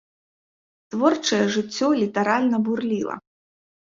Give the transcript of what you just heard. Творчае жыццё літаральна бурліла.